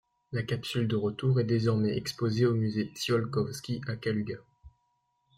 La capsule de retour est désormais exposée au Musée Tsiolkovsky à Kaluga.